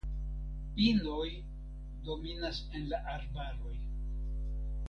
Pinoj dominas en la arbaroj.